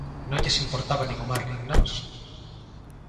Non lles importaba nin o mar nin nós.